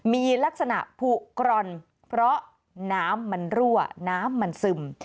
มีลักษณะผูกรอนเพราะน้ำมันรั่วน้ำมันซึม